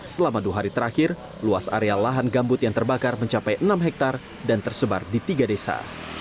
selama dua hari terakhir luas area lahan gambut yang terbakar mencapai enam hektare dan tersebar di tiga desa